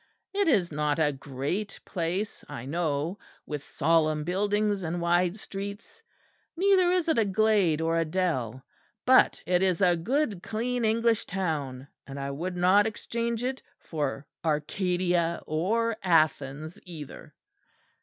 It is not a great place, I know, with solemn buildings and wide streets; neither is it a glade or a dell; but it is a good clean English town; and I would not exchange it for Arcadia or Athens either."